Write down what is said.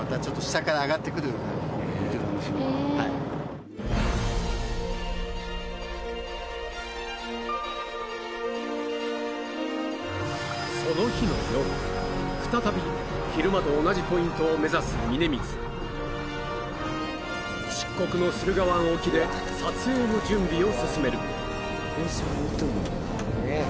そうですねはいその日の夜再び昼間と同じポイントを目指す峯水漆黒の駿河湾沖で撮影の準備を進める